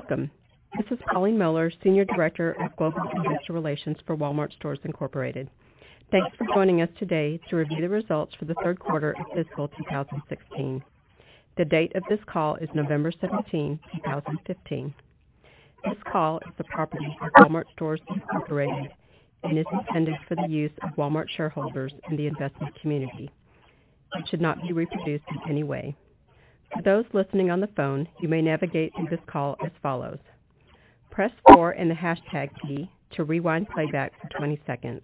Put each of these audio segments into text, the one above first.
Welcome. This is Pauline Miller, Senior Director of Global Investor Relations for Wal-Mart Stores, Inc.. Thanks for joining us today to review the results for the third quarter of fiscal 2016. The date of this call is November 17, 2015. This call is the property of Wal-Mart Stores, Inc. and is intended for the use of Walmart shareholders and the investment community. It should not be reproduced in any way. For those listening on the phone, you may navigate through this call as follows. Press four and the hashtag key to rewind playback for 20 seconds.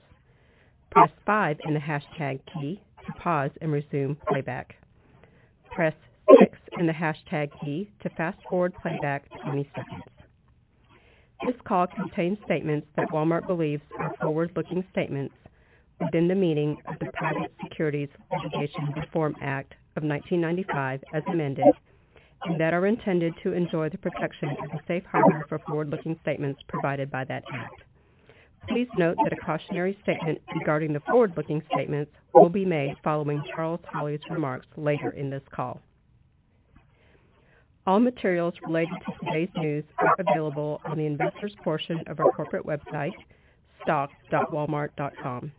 Press five and the hashtag key to pause and resume playback. Press six and the hashtag key to fast-forward playback 20 seconds. This call contains statements that Walmart believes are forward-looking statements within the meaning of the Private Securities Litigation Reform Act of 1995 as amended, that are intended to enjoy the protection of the safe harbor for forward-looking statements provided by that act. Please note that a cautionary statement regarding the forward-looking statements will be made following Charles Holley's remarks later in this call. All materials related to today's news are available on the investors' portion of our corporate website, stock.walmart.com.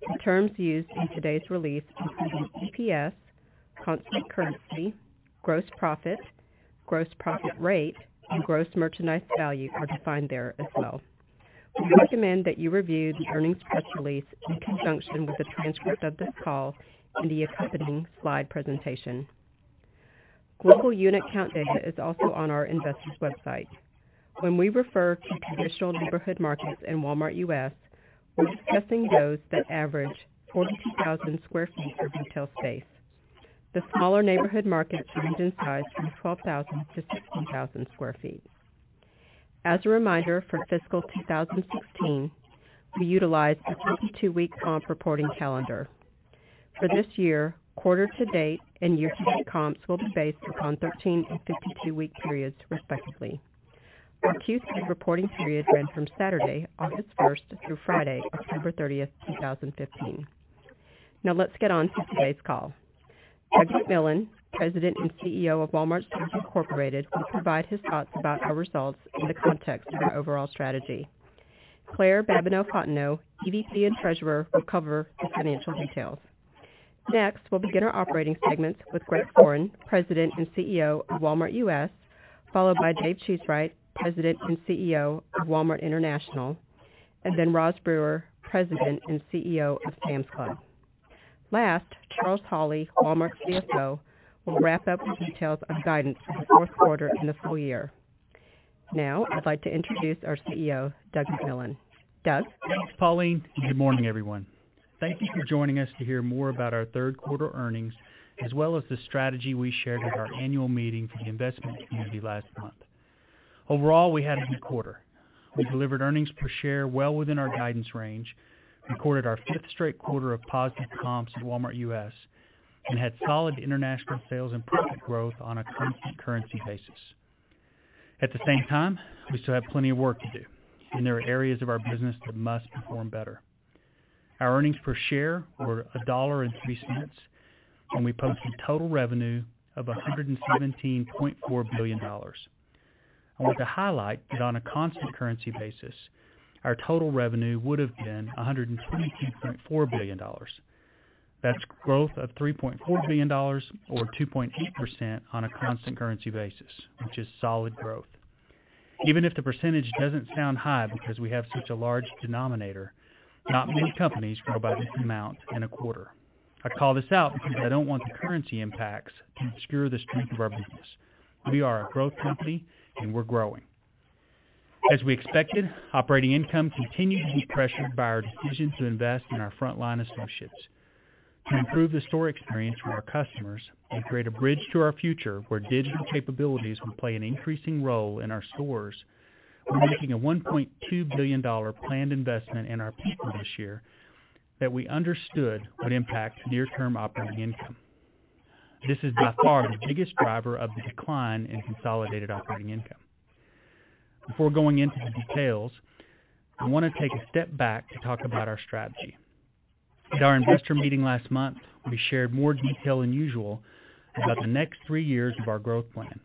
The terms used in today's release, including EPS, constant currency, gross profit, gross profit rate, and gross merchandise value, are defined there as well. We recommend that you review the earnings press release in conjunction with a transcript of this call and the accompanying slide presentation. Global unit count data is also on our investors' website. When we refer to traditional neighborhood markets in Walmart U.S., we're discussing those that average 42,000 square feet of retail space. The smaller neighborhood markets range in size from 12,000-16,000 square feet. As a reminder for fiscal 2016, we utilize the 52-week comp reporting calendar. For this year, quarter to date and year-to-date comps will be based upon 13 and 52-week periods respectively. Our Q3 reporting period ran from Saturday, August 1st, through Friday, October 30th, 2015. Let's get on to today's call. Doug McMillon, President and CEO of Wal-Mart Stores, Inc., will provide his thoughts about our results in the context of our overall strategy. Claire Babineaux-Fontenot, EVP and Treasurer, will cover the financial details. We'll begin our operating segments with Greg Foran, President and CEO of Walmart U.S., followed by David Cheesewright, President and CEO of Walmart International, Rosalind Brewer, President and CEO of Sam's Club. Charles Holley, Walmart's CFO, will wrap up with details on guidance for the fourth quarter and the full year. I'd like to introduce our CEO, Doug McMillon. Doug? Thanks, Pauline, and good morning, everyone. Thank you for joining us to hear more about our third quarter earnings, as well as the strategy we shared at our annual meeting for the investment community last month. Overall, we had a good quarter. We delivered earnings per share well within our guidance range, recorded our fifth straight quarter of positive comps at Walmart U.S., and had solid international sales and profit growth on a constant currency basis. At the same time, we still have plenty of work to do, and there are areas of our business that must perform better. Our earnings per share were $1.03, and we posted total revenue of $117.4 billion. I want to highlight that on a constant currency basis, our total revenue would've been $122.4 billion. That's growth of $3.4 billion or 2.8% on a constant currency basis, which is solid growth. Even if the percentage doesn't sound high because we have such a large denominator, not many companies grow by this amount in a quarter. I call this out because I don't want the currency impacts to obscure the strength of our business. We are a growth company, and we're growing. As we expected, operating income continued to be pressured by our decision to invest in our frontline associates. To improve the store experience for our customers and create a bridge to our future where digital capabilities will play an increasing role in our stores, we're making a $1.2 billion planned investment in our people this year that we understood would impact near-term operating income. This is by far the biggest driver of the decline in consolidated operating income. Before going into the details, I want to take a step back to talk about our strategy. At our investor meeting last month, we shared more detail than usual about the next three years of our growth plan.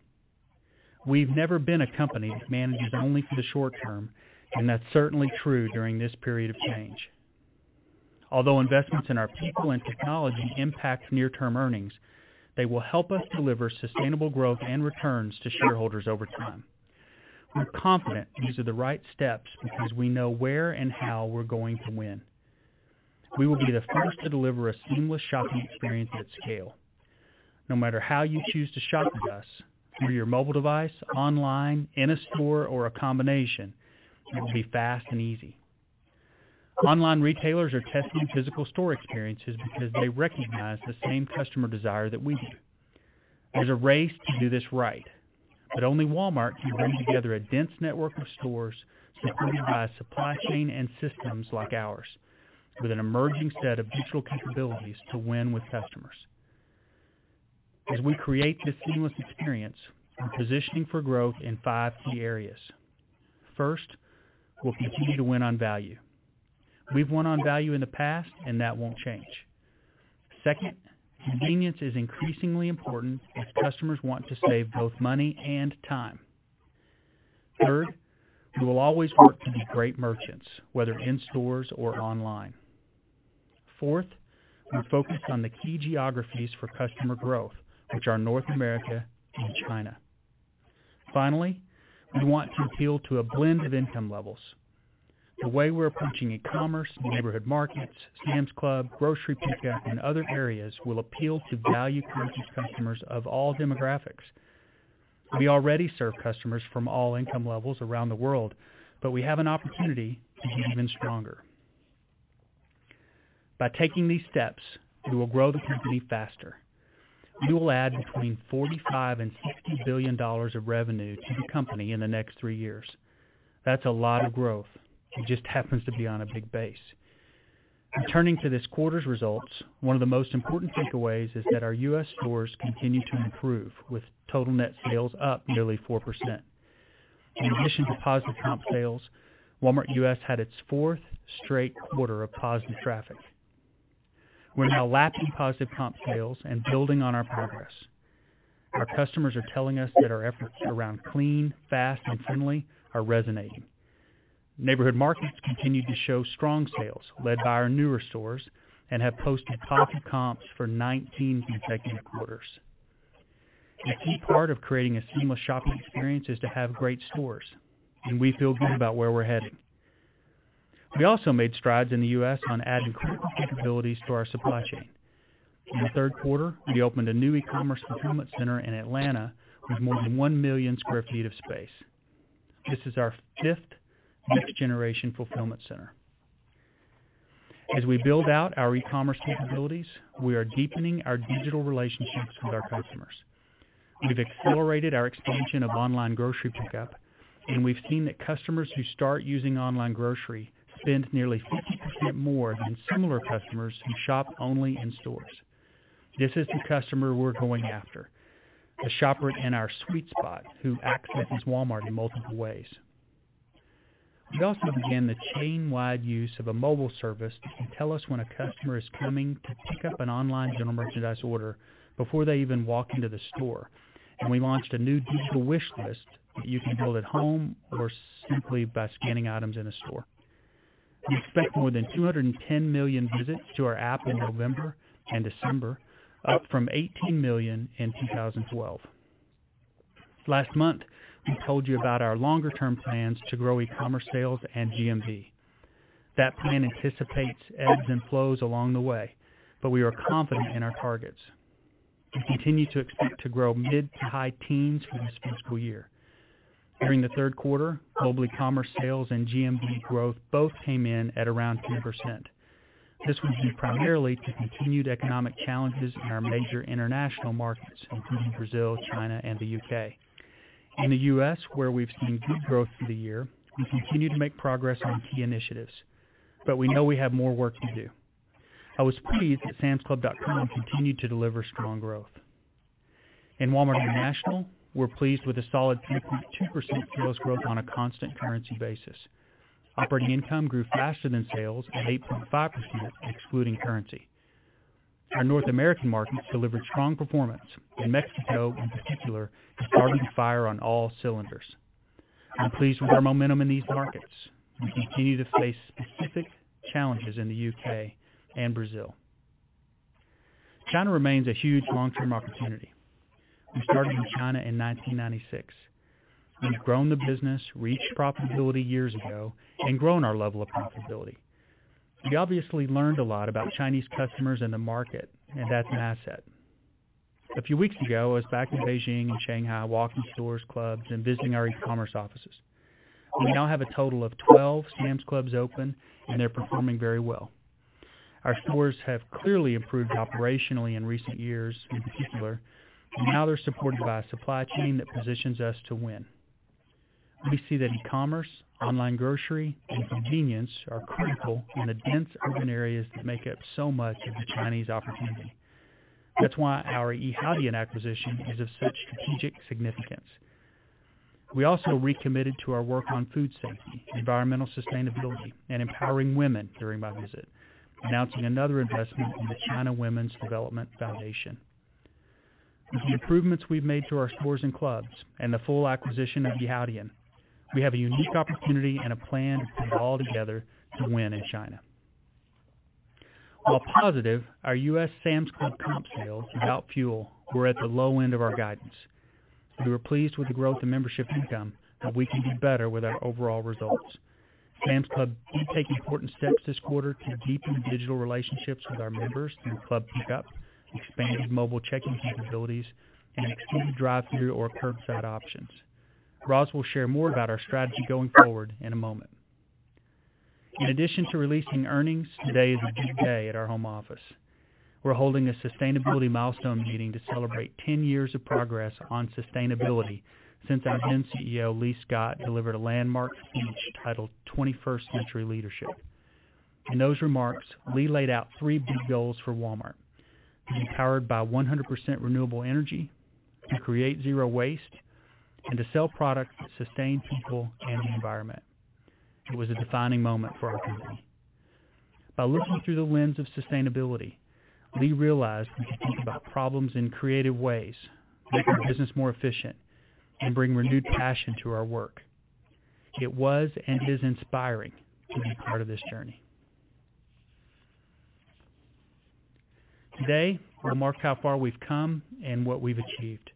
We've never been a company that manages only for the short term, and that's certainly true during this period of change. Although investments in our people and technology impact near-term earnings, they will help us deliver sustainable growth and returns to shareholders over time. We're confident these are the right steps because we know where and how we're going to win. We will be the first to deliver a seamless shopping experience at scale. No matter how you choose to shop with us, through your mobile device, online, in a store, or a combination, it will be fast and easy. Online retailers are testing physical store experiences because they recognize the same customer desire that we do. There's a race to do this right, but only Walmart can bring together a dense network of stores supported by a supply chain and systems like ours, with an emerging set of digital capabilities to win with customers. As we create this seamless experience, we're positioning for growth in five key areas. First, we'll continue to win on value. We've won on value in the past, and that won't change. Second, convenience is increasingly important as customers want to save both money and time. Third, we will always work to be great merchants, whether in stores or online. Fourth, we're focused on the key geographies for customer growth, which are North America and China. Finally, we want to appeal to a blend of income levels. The way we're approaching e-commerce, Neighborhood Markets, Sam's Club, grocery pickup, and other areas will appeal to value-conscious customers of all demographics. We already serve customers from all income levels around the world, but we have an opportunity to be even stronger. By taking these steps, we will grow the company faster. We will add between $45 billion and $60 billion of revenue to the company in the next three years. That's a lot of growth. It just happens to be on a big base. In turning to this quarter's results, one of the most important takeaways is that our U.S. stores continue to improve with total net sales up nearly 4%. In addition to positive comp sales, Walmart U.S. had its fourth straight quarter of positive traffic. We're now lapping positive comp sales and building on our progress. Our customers are telling us that our efforts around clean, fast and friendly are resonating. Neighborhood Markets continued to show strong sales led by our newer stores and have posted positive comps for 19 consecutive quarters. A key part of creating a seamless shopping experience is to have great stores, and we feel good about where we're headed. We also made strides in the U.S. on adding critical capabilities to our supply chain. In the third quarter, we opened a new e-commerce fulfillment center in Atlanta with more than 1 million sq ft of space. This is our fifth next-generation fulfillment center. As we build out our e-commerce capabilities, we are deepening our digital relationships with our customers. We've accelerated our expansion of online grocery pickup, and we've seen that customers who start using online grocery spend nearly 50% more than similar customers who shop only in stores. This is the customer we're going after, the shopper in our sweet spot who accesses Walmart in multiple ways. We also began the chain-wide use of a mobile service that can tell us when a customer is coming to pick up an online general merchandise order before they even walk into the store. We launched a new digital wish list that you can build at home or simply by scanning items in a store. We expect more than 210 million visits to our app in November and December, up from 18 million in 2012. Last month, we told you about our longer-term plans to grow e-commerce sales and GMV. That plan anticipates ebbs and flows along the way, but we are confident in our targets. We continue to expect to grow mid to high teens for this fiscal year. During the third quarter, global e-commerce sales and GMV growth both came in at around 10%. This was due primarily to continued economic challenges in our major international markets, including Brazil, China and the U.K. In the U.S., where we've seen good growth through the year, we continue to make progress on key initiatives, but we know we have more work to do. I was pleased that samsclub.com continued to deliver strong growth. In Walmart International, we're pleased with a solid 10.2% sales growth on a constant currency basis. Operating income grew faster than sales at 8.5%, excluding currency. Our North American markets delivered strong performance, and Mexico in particular is firing on all cylinders. I'm pleased with our momentum in these markets. We continue to face specific challenges in the U.K. and Brazil. China remains a huge long-term opportunity. We started in China in 1996. We've grown the business, reached profitability years ago, and grown our level of profitability. We obviously learned a lot about Chinese customers and the market, and that's an asset. A few weeks ago, I was back in Beijing and Shanghai walking stores, clubs, and visiting our e-commerce offices. We now have a total of 12 Sam's Clubs open, and they're performing very well. Our stores have clearly improved operationally in recent years, in particular, and now they're supported by a supply chain that positions us to win. We see that e-commerce, online grocery, and convenience are critical in the dense urban areas that make up so much of the Chinese opportunity. That's why our Yihaodian acquisition is of such strategic significance. We also recommitted to our work on food safety, environmental sustainability, and empowering women during my visit, announcing another investment in the China Women's Development Foundation. With the improvements we've made to our stores and clubs and the full acquisition of Yihaodian, we have a unique opportunity and a plan to put it all together to win in China. While positive, our U.S. Sam's Club comp sales, without fuel, were at the low end of our guidance. We were pleased with the growth in membership income, we can do better with our overall results. Sam's Club did take important steps this quarter to deepen digital relationships with our members through club pickup, expanded mobile check-in capabilities, and extended drive-thru or curbside options. Roz will share more about our strategy going forward in a moment. In addition to releasing earnings, today is a big day at our home office. We're holding a sustainability milestone meeting to celebrate 10 years of progress on sustainability since our then CEO, Lee Scott, delivered a landmark speech titled "21st Century Leadership." In those remarks, Lee laid out three big goals for Walmart: to be powered by 100% renewable energy, to create zero waste, and to sell products that sustain people and the environment. It was a defining moment for our company. By looking through the lens of sustainability, Lee realized we could think about problems in creative ways, make our business more efficient, and bring renewed passion to our work. It was and is inspiring to be part of this journey. Today, we'll mark how far we've come and what we've achieved.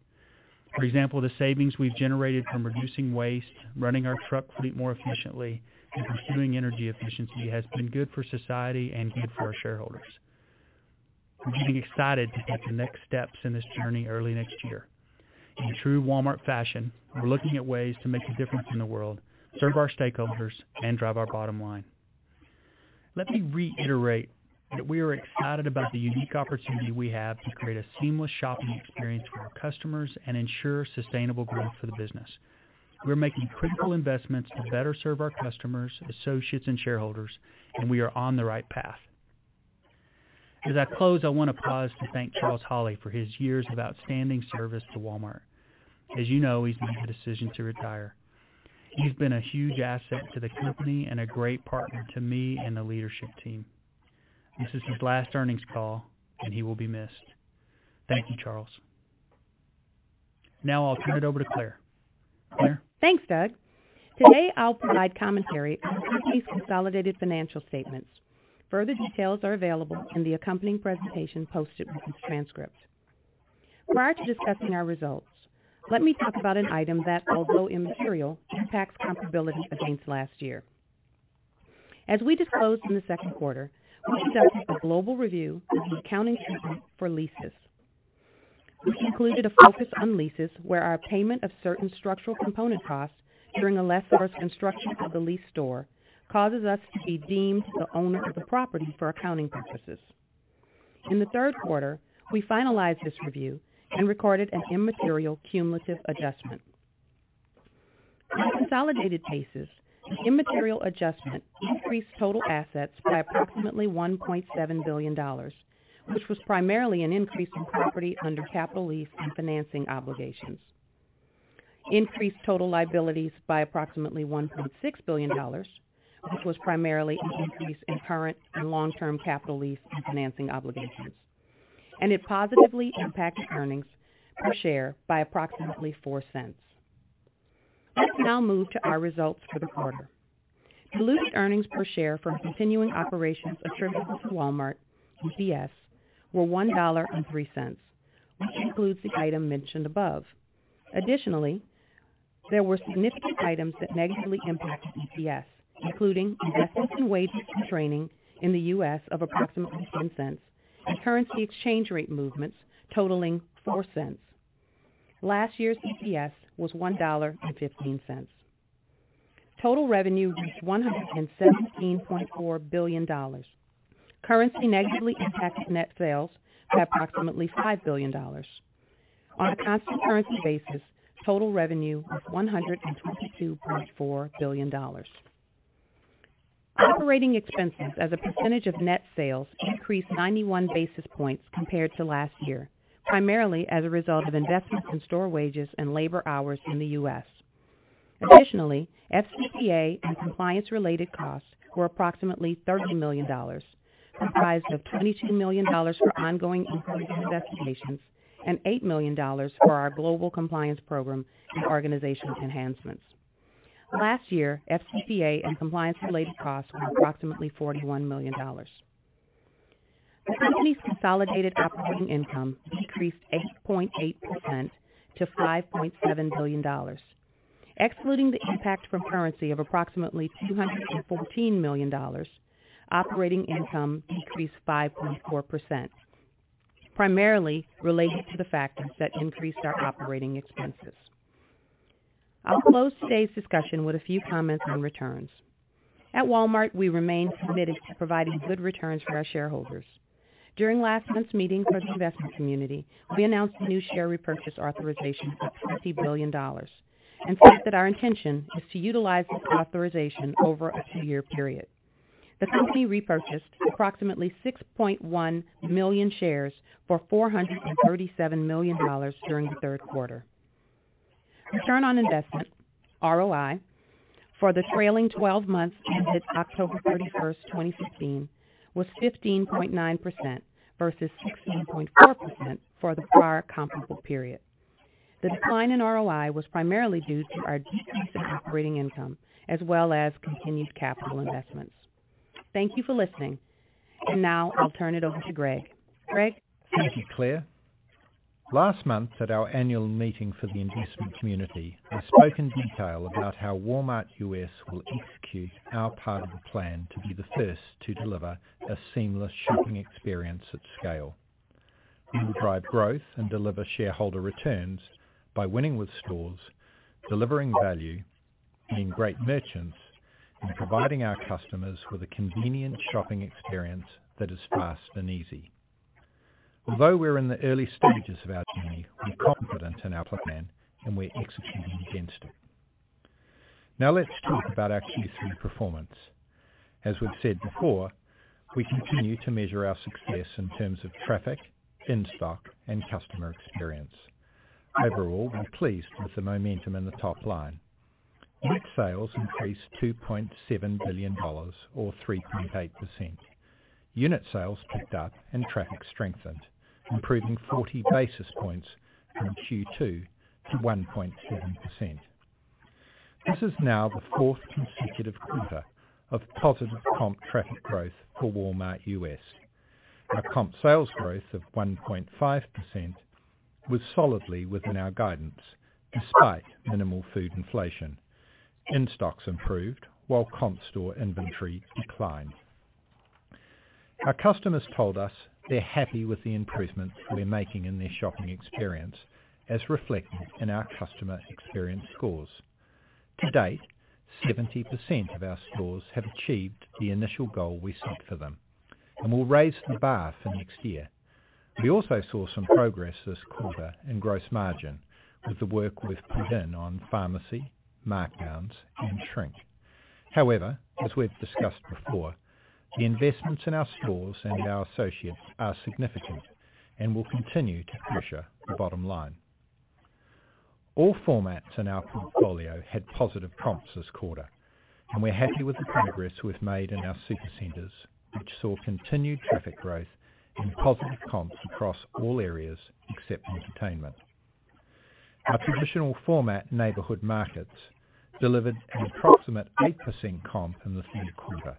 For example, the savings we've generated from reducing waste, running our truck fleet more efficiently, and pursuing energy efficiency has been good for society and good for our shareholders. We're going to be excited to take the next steps in this journey early next year. In true Walmart fashion, we're looking at ways to make a difference in the world, serve our stakeholders, and drive our bottom line. Let me reiterate that we are excited about the unique opportunity we have to create a seamless shopping experience for our customers and ensure sustainable growth for the business. We're making critical investments to better serve our customers, associates, and shareholders, we are on the right path. As I close, I want to pause to thank Charles Holley for his years of outstanding service to Walmart. As you know, he's made the decision to retire. He's been a huge asset to the company and a great partner to me and the leadership team. This is his last earnings call, he will be missed. Thank you, Charles. I'll turn it over to Claire. Claire? Thanks, Doug. Today, I'll provide commentary on the company's consolidated financial statements. Further details are available in the accompanying presentation posted with this transcript. Prior to discussing our results, let me talk about an item that, although immaterial, impacts comparability against last year. As we disclosed in the second quarter, we accepted a global review of the accounting treatment for leases. This included a focus on leases where our payment of certain structural component costs during the lessor's construction of the leased store causes us to be deemed the owner of the property for accounting purposes. In the third quarter, we finalized this review and recorded an immaterial cumulative adjustment. On a consolidated basis, the immaterial adjustment increased total assets by approximately $1.7 billion, which was primarily an increase in property under capital lease and financing obligations. The immaterial adjustment increased total liabilities by approximately $1.6 billion, which was primarily an increase in current and long-term capital lease and financing obligations, and it positively impacted earnings per share by approximately $0.04. Let's now move to our results for the quarter. Diluted earnings per share from continuing operations attributable to Walmart, EPS, were $1.03, which includes the item mentioned above. There were significant items that negatively impacted EPS, including investments in wages and training in the U.S. of approximately $0.07 and currency exchange rate movements totaling $0.04. Last year's EPS was $1.15. Total revenue was $117.4 billion. Currency negatively impacted net sales by approximately $5 billion. On a constant currency basis, total revenue was $122.4 billion. Operating expenses as a percentage of net sales increased 91 basis points compared to last year, primarily as a result of investments in store wages and labor hours in the U.S. FCPA and compliance-related costs were approximately $30 million, comprised of $22 million for ongoing inquiry investigations and $8 million for our global compliance program and organizational enhancements. Last year, FCPA and compliance-related costs were approximately $41 million. The company's consolidated operating income decreased 8.8% to $5.7 billion. Excluding the impact from currency of approximately $214 million, operating income decreased 5.4%, primarily related to the factors that increased our operating expenses. I'll close today's discussion with a few comments on returns. At Walmart, we remain committed to providing good returns for our shareholders. During last month's meeting for the investment community, we announced a new share repurchase authorization of $50 billion and said that our intention is to utilize this authorization over a two-year period. The company repurchased approximately 6.1 million shares for $437 million during the third quarter. Return on investment, ROI, for the trailing 12 months ended October 31st, 2015, was 15.9% versus 16.4% for the prior comparable period. The decline in ROI was primarily due to our decrease in operating income, as well as continued capital investments. Thank you for listening. Now I'll turn it over to Greg. Greg? Thank you, Claire. Last month at our annual meeting for the investment community, I spoke in detail about how Walmart U.S. will execute our part of the plan to be the first to deliver a seamless shopping experience at scale. We will drive growth and deliver shareholder returns by winning with stores, delivering value, being great merchants, and providing our customers with a convenient shopping experience that is fast and easy. Although we're in the early stages of our journey, we're confident in our plan, and we're executing against it. Now let's talk about our Q3 performance. As we've said before, we continue to measure our success in terms of traffic, in-stock, and customer experience. Overall, we're pleased with the momentum in the top line. Net sales increased $2.7 billion, or 3.8%. Unit sales picked up and traffic strengthened, improving 40 basis points from Q2 to 1.7%. This is now the fourth consecutive quarter of positive comp traffic growth for Walmart U.S. Our comp sales growth of 1.5% was solidly within our guidance, despite minimal food inflation. In-stocks improved while comp store inventory declined. Our customers told us they're happy with the improvements we're making in their shopping experience, as reflected in our customer experience scores. To date, 70% of our stores have achieved the initial goal we set for them. We'll raise the bar for next year. We also saw some progress this quarter in gross margin with the work we've put in on pharmacy, markdowns, and shrink. However, as we've discussed before, the investments in our stores and our associates are significant and will continue to pressure the bottom line. All formats in our portfolio had positive comps this quarter. We're happy with the progress we've made in our Supercenters, which saw continued traffic growth and positive comps across all areas except entertainment. Our traditional format neighborhood markets delivered an approximate 8% comp in the third quarter,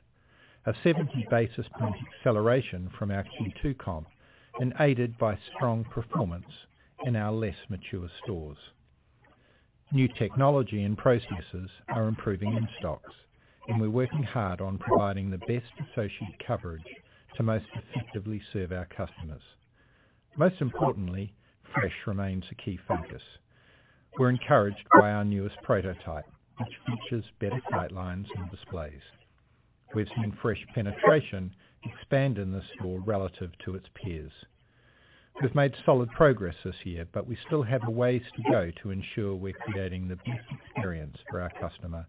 a 70-basis-point acceleration from our Q2 comp. Aided by strong performance in our less mature stores, new technology and processes are improving in-stocks. We're working hard on providing the best associate coverage to most effectively serve our customers. Most importantly, fresh remains a key focus. We're encouraged by our newest prototype, which features better sight lines and displays. We've seen fresh penetration expand in the store relative to its peers. We've made solid progress this year, we still have a ways to go to ensure we're creating the best experience for our customer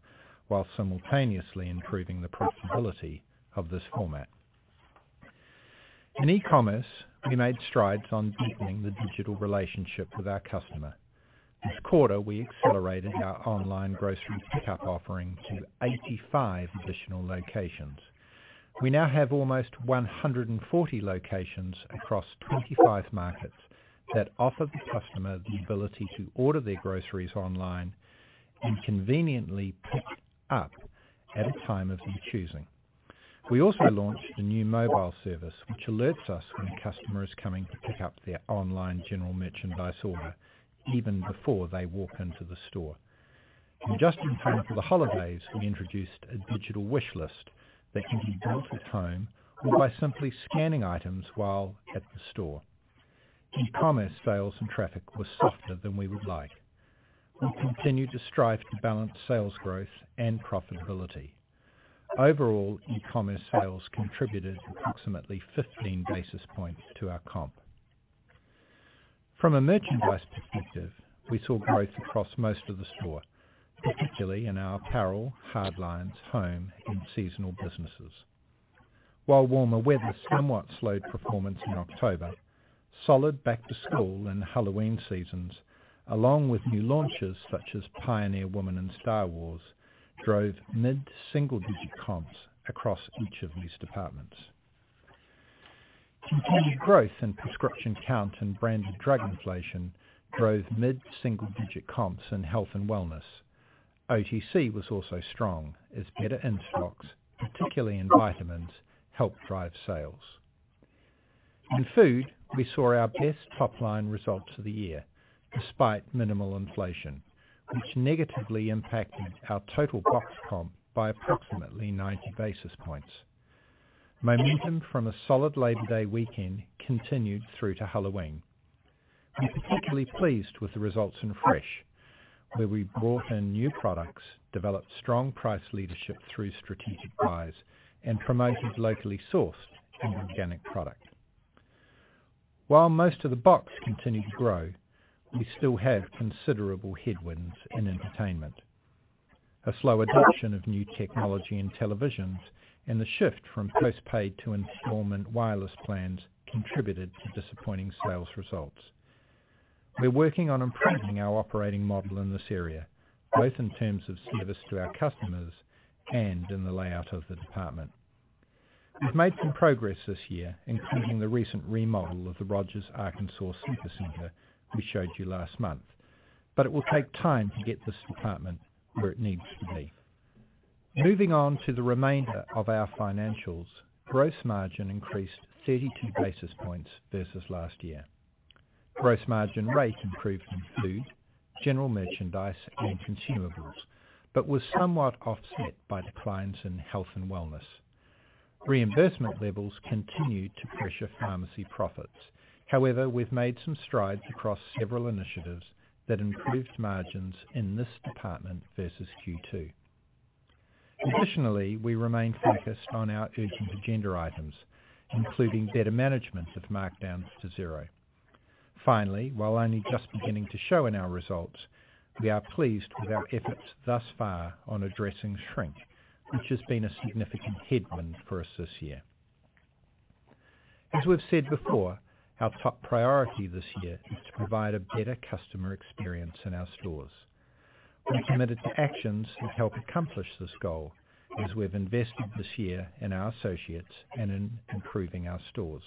while simultaneously improving the profitability of this format. In e-commerce, we made strides on deepening the digital relationship with our customer. This quarter, we accelerated our online grocery pickup offering to 85 additional locations. We now have almost 140 locations across 25 markets that offer the customer the ability to order their groceries online and conveniently pick up at a time of their choosing. We also launched a new mobile service, which alerts us when a customer is coming to pick up their online general merchandise order even before they walk into the store. Just in time for the holidays, we introduced a digital wish list that can be built at home or by simply scanning items while at the store. E-commerce sales and traffic were softer than we would like. We continue to strive to balance sales growth and profitability. Overall, e-commerce sales contributed approximately 15 basis points to our comp. From a merchandise perspective, we saw growth across most of the store, particularly in our apparel, hard lines, home, and seasonal businesses. While warmer weather somewhat slowed performance in October, solid back-to-school and Halloween seasons, along with new launches such as The Pioneer Woman and Star Wars, drove mid-single-digit comps across each of these departments. Continued growth in prescription count and branded drug inflation drove mid-single-digit comps in health and wellness. OTC was also strong as better in-stocks, particularly in vitamins, helped drive sales. In food, we saw our best top-line results of the year, despite minimal inflation, which negatively impacted our total box comp by approximately 90 basis points. Momentum from a solid Labor Day weekend continued through to Halloween. We're particularly pleased with the results in fresh, where we brought in new products, developed strong price leadership through strategic buys, and promoted locally sourced and organic product. While most of the box continued to grow, we still have considerable headwinds in entertainment. A slow adoption of new technology in televisions and the shift from postpaid to installment wireless plans contributed to disappointing sales results. We're working on improving our operating model in this area, both in terms of service to our customers and in the layout of the department. We've made some progress this year, including the recent remodel of the Rogers, Arkansas, Supercenter we showed you last month, it will take time to get this department where it needs to be. Moving on to the remainder of our financials, gross margin increased 32 basis points versus last year. Gross margin rate improved in food, general merchandise, and consumables, was somewhat offset by declines in health and wellness. Reimbursement levels continued to pressure pharmacy profits. We've made some strides across several initiatives that improved margins in this department versus Q2. We remain focused on our urgent agenda items, including better management of markdowns to zero. While only just beginning to show in our results, we are pleased with our efforts thus far on addressing shrink, which has been a significant headwind for us this year. We've said before, our top priority this year is to provide a better customer experience in our stores. We're committed to actions that help accomplish this goal, as we've invested this year in our associates and in improving our stores.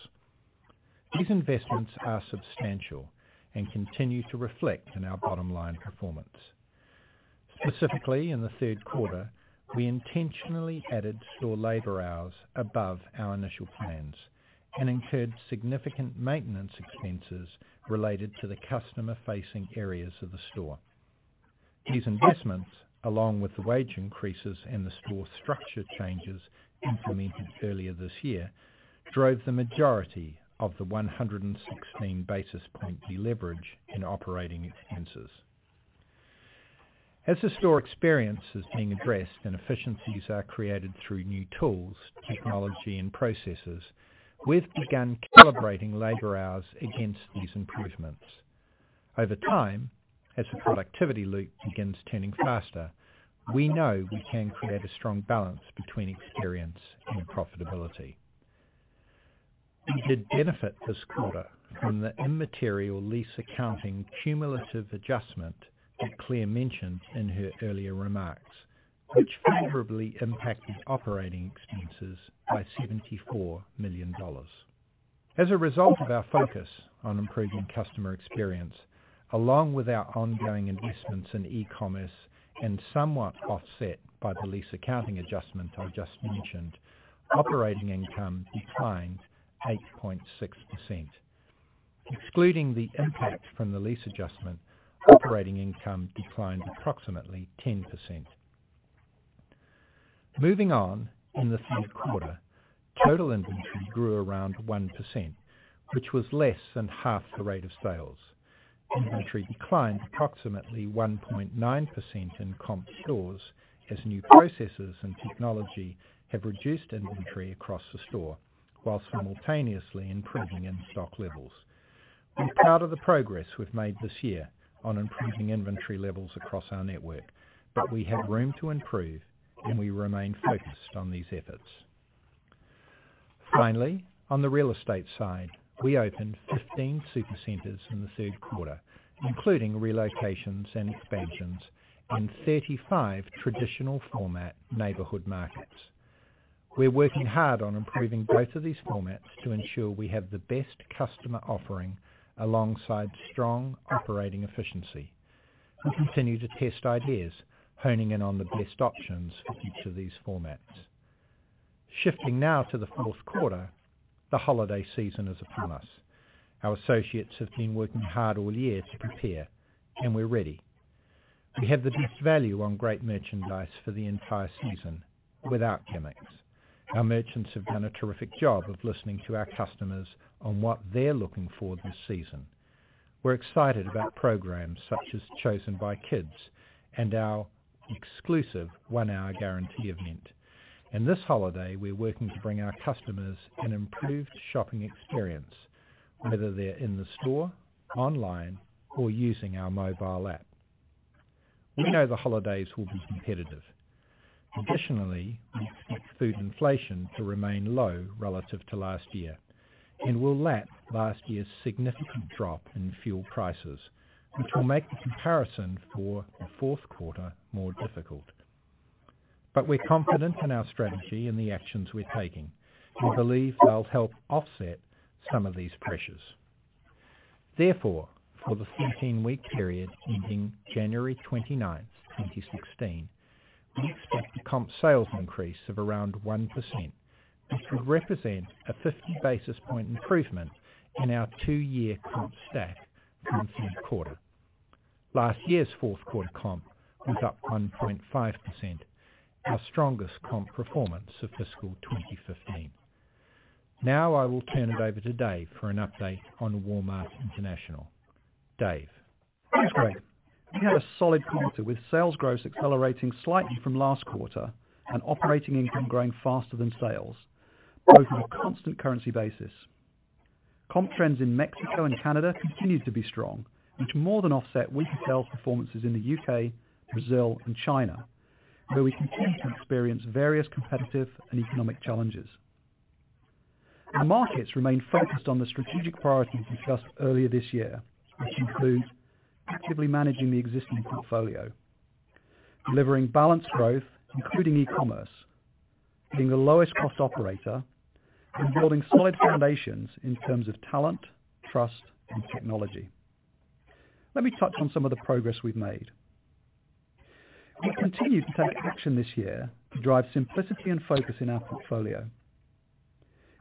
These investments are substantial and continue to reflect in our bottom line performance. Specifically, in the third quarter, we intentionally added store labor hours above our initial plans and incurred significant maintenance expenses related to the customer-facing areas of the store. These investments, along with the wage increases and the store structure changes implemented earlier this year, drove the majority of the 116 basis point deleverage in operating expenses. As the store experience is being addressed and efficiencies are created through new tools, technology, and processes, we've begun calibrating labor hours against these improvements. Over time, as the productivity loop begins turning faster, we know we can create a strong balance between experience and profitability. We did benefit this quarter from the immaterial lease accounting cumulative adjustment that Claire mentioned in her earlier remarks, which favorably impacted operating expenses by $74 million. A result of our focus on improving customer experience, along with our ongoing investments in e-commerce, and somewhat offset by the lease accounting adjustment I just mentioned, operating income declined 8.6%. Excluding the impact from the lease adjustment, operating income declined approximately 10%. In the third quarter, total inventory grew around 1%, which was less than half the rate of sales. Inventory declined approximately 1.9% in comp stores as new processes and technology have reduced inventory across the store while simultaneously improving in-stock levels. We're proud of the progress we've made this year on improving inventory levels across our network, but we have room to improve, and we remain focused on these efforts. Finally, on the real estate side, we opened 15 Supercenters in the third quarter, including relocations and expansions in 35 traditional format neighborhood markets. We're working hard on improving both of these formats to ensure we have the best customer offering alongside strong operating efficiency. We continue to test ideas, honing in on the best options for each of these formats. Shifting now to the fourth quarter, the holiday season is upon us. Our associates have been working hard all year to prepare, and we're ready. We have the best value on great merchandise for the entire season without gimmicks. Our merchants have done a terrific job of listening to our customers on what they're looking for this season. We're excited about programs such as Chosen by Kids and our exclusive one-hour guarantee event. This holiday, we're working to bring our customers an improved shopping experience, whether they're in the store, online, or using our mobile app. We know the holidays will be competitive. Additionally, we expect food inflation to remain low relative to last year. We'll lap last year's significant drop in fuel prices, which will make the comparison for the fourth quarter more difficult. We're confident in our strategy and the actions we're taking, and believe they'll help offset some of these pressures. Therefore, for the 14-week period ending January 29th, 2016, we expect a comp sales increase of around 1%, which would represent a 50 basis point improvement in our two-year comp stack from third quarter. Last year's fourth quarter comp was up 1.5%, our strongest comp performance of fiscal 2015. Now I will turn it over to Dave for an update on Walmart International. Dave. Thanks, Greg. We had a solid quarter with sales growth accelerating slightly from last quarter and operating income growing faster than sales, both on a constant currency basis. Comp trends in Mexico and Canada continued to be strong, which more than offset weaker sales performances in the U.K., Brazil, and China, where we continue to experience various competitive and economic challenges. Our markets remain focused on the strategic priorities discussed earlier this year, which include actively managing the existing portfolio, delivering balanced growth, including e-commerce, being the lowest cost operator, and building solid foundations in terms of talent, trust, and technology. Let me touch on some of the progress we've made. We continued to take action this year to drive simplicity and focus in our portfolio.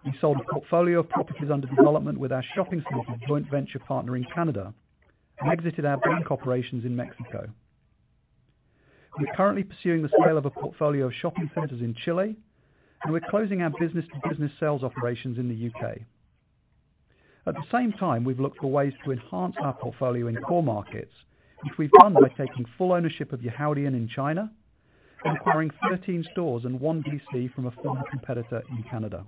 We sold a portfolio of properties under development with our shopping center joint venture partner in Canada and exited our green operations in Mexico. We're currently pursuing the sale of a portfolio of shopping centers in Chile, and we're closing our business-to-business sales operations in the U.K. At the same time, we've looked for ways to enhance our portfolio in core markets, which we've done by taking full ownership of Yihaodian in China. Acquiring 13 stores and 1 DC from a former competitor in Canada.